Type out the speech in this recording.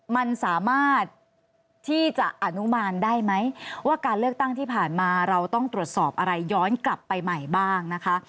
มันสามารถที่จะอนุมานได้ไหมว่าการเลือกตั้งที่ผ่านมาเราต้องตรวจสอบอะไรย้อนกลับไปใหม่บ้างนะคะ